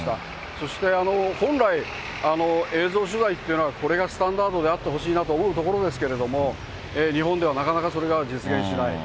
そして本来、映像取材っていうのは、これがスタンダードであってほしいなと思うところですけれども、日本ではなかなかそれが実現しない。